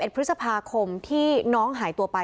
๑พฤษภาคมที่น้องหายตัวไป